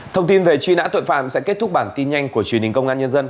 thông tin về truy nã tội phạm sẽ kết thúc bản tin nhanh của truyền hình công an nhân dân